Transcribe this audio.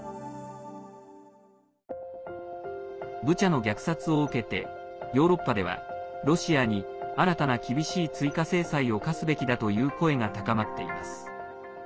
ブチャの虐殺を受けてヨーロッパではロシアに新たな厳しい追加制裁を科すべきだという声が高まっています。